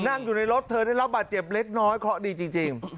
นั่งอยู่ในรถเธอได้รับบาดเจ็บเล็กน้อยเคราะห์ดีจริง